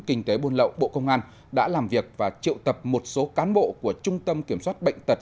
kinh tế buôn lậu bộ công an đã làm việc và triệu tập một số cán bộ của trung tâm kiểm soát bệnh tật